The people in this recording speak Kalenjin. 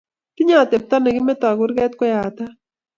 Tinyei atepto ne kimetoi kurket ko yatat